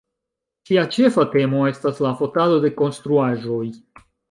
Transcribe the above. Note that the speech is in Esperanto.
Ŝia ĉefa temo estas la fotado de konstruaĵoj.